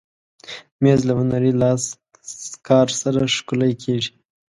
مېز له هنري لاسکار سره ښکلی کېږي.